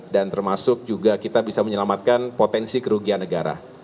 dan termasuk juga kita bisa menyelamatkan potensi kerugian negara